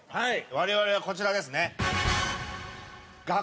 我々はこちらですね。